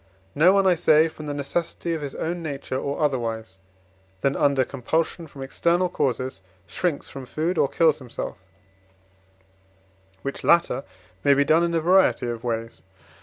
No one, I say, from the necessity of his own nature, or otherwise than under compulsion from external causes, shrinks from food, or kills himself: which latter may be done in a variety of ways.